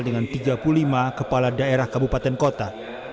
dengan tiga puluh lima kepala daerah kabupaten kota